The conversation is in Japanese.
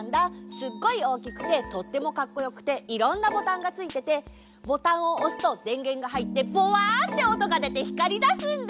すっごいおおきくてとってもかっこよくていろんなボタンがついててボタンをおすとでんげんがはいってボワッておとがでてひかりだすんだ！